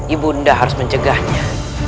ibunda harus mencegahnya